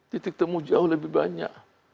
titik temu jauh lebih banyak